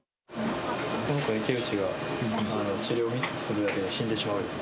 この子は池内が治療ミスするだけで、死んでしまうよ。